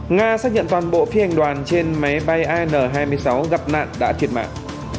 nga xác nhận toàn bộ phi hành đoàn trên máy bay an hai mươi sáu gặp nạn đã thiệt mạng